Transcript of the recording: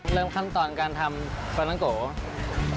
เริ่มขั้นตอนการทำฟานังโก